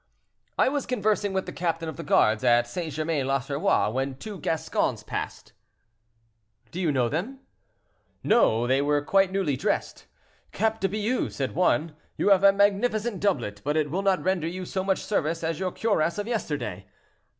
"I was conversing with the captain of the guards at St. Germain l'Auxerrois, when two Gascons passed—" "Do you know them?" "No; they were quite newly dressed. 'Cap de Bious!' said one, 'you have a magnificent doublet, but it will not render you so much service as your cuirass of yesterday.'